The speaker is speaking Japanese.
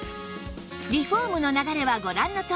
リフォームの流れはご覧のとおり